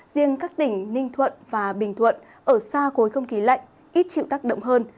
riêng các tỉnh ninh thuận và bình thuận ở xa khối không khí lạnh ít chịu tác động hơn